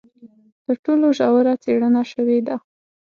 تر ټولو ژوره څېړنه شوې ده.